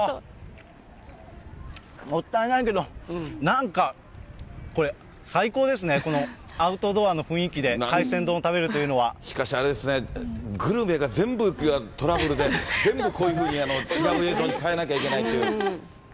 もったいないけど、なんか、これ最高ですね、このアウトドアの雰囲気で、しかしあれですね、グルメが全部トラブルで、全部こういうふうに、つなぐ映像に替えなきゃいけないって。